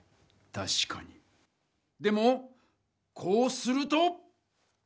たしかにでもこうすると。